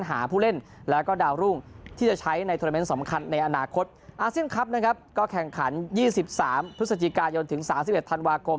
อาร์เซียนคลัพย์นะครับก็แข่งขัน๒๓พฤศจิกายนถึง๓๑ธันวาคม